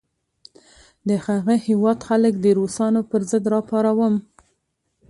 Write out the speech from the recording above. د هغه هیواد خلک د روسانو پر ضد را پاروم.